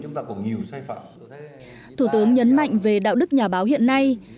thủ tướng nêu rõ trong thời điểm hiện nay